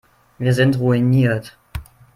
Wir sind ruiniert.